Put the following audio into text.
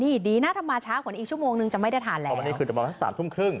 นี่ดีนะถ้ามาช้ากว่านี้อีกชั่วโมงนึงจะไม่ได้ทานแล้วเพราะวันนี้คือประมาณสักสามทุ่มครึ่ง